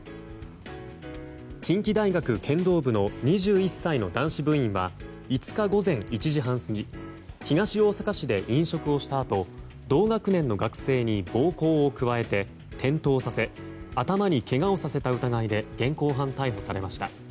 近畿大学剣道部の２１歳の男子部員は５日午前１時半過ぎ東大阪市で飲食をしたあと同学年の学生に暴行を加えて転倒させ頭にけがをさせた疑いで現行犯逮捕されました。